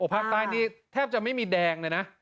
ภาคใต้นี่แทบจะไม่มีแดงเลยนะ